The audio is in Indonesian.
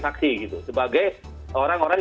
saksi gitu sebagai orang orang